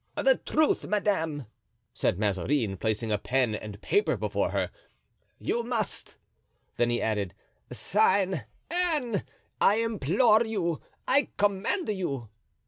"The truth, madame," said Mazarin, placing a pen and a paper before her, "you must;" then he added: "Sign, Anne, I implore you—I command you."